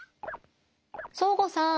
そーごさん！